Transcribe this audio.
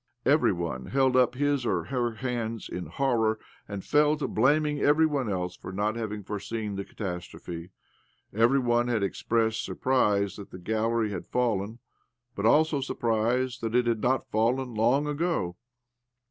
Every one held up his or her hands in horror, arid fell to blaming; every one else OBLOMOV 127 for not having foreseen the catastrophe. Every one expressed surprise that the gallery had fallen, and also surprise that it had not fallen long ago.